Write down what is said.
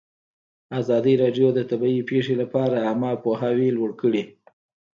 ازادي راډیو د طبیعي پېښې لپاره عامه پوهاوي لوړ کړی.